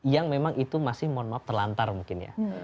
yang memang itu masih mohon maaf terlantar mungkin ya